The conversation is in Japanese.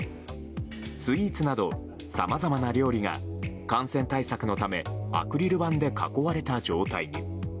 スイーツなど、さまざまな料理が感染対策のためアクリル板で囲われた状態に。